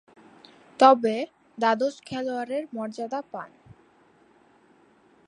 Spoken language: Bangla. তবে, দ্বাদশ খেলোয়াড়ের মর্যাদা পান।